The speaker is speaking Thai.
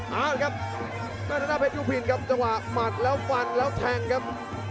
หานะครับตั้งกับแพทยุพินครับจังหวะหมัดแล้วฟันแล้วแทงครับ